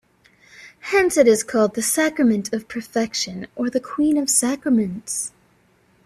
Hence it is called the "sacrament of perfection" or the "queen of sacraments".